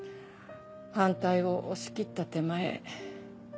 反対を押し切った手前